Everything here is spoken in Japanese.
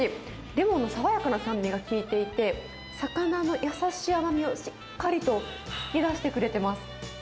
レモンの爽やかな酸味が効いていて、魚の優しい甘みをしっかりと引き出してくれてます。